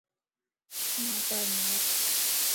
مان پار نار